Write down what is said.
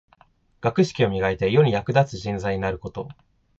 学識を磨いて、世に役立つ人材になること。